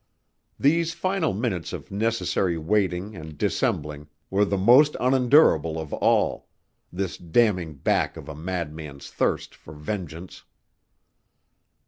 These final minutes of necessary waiting and dissembling were the most unendurable of all this damming back of a madman's thirst for vengeance.